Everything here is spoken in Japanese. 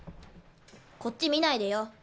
こっち見ないでよ。